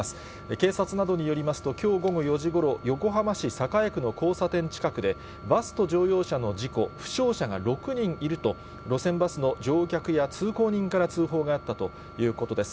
警察などによりますと、きょう午後４時ごろ、横浜市栄区の交差点近くで、バスと乗用車の事故、負傷者が６人いると、路線バスの乗客や通行人から通報があったということです。